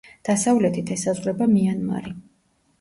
დასავლეთით ესაზღვრება მიანმარი.